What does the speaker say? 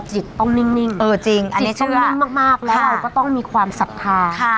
จิตต้องนิ่งอันนี้ต้องนิ่งมากแล้วเราก็ต้องมีความศรัทธา